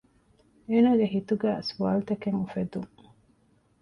އޭނަގެ ހިތުގައި ސްވާލުތަކެއް އުފެދުން